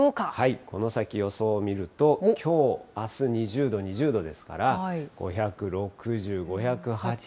この先、予想を見ると、きょう、あす、２０度、２０度ですから、５６０、５８０。